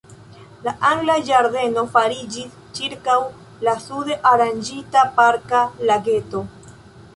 La Angla ĝardeno fariĝis ĉirkaŭ la sude aranĝita Parka lageto.